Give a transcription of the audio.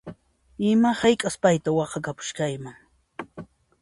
Ima hayk'as payta waqhakapushayman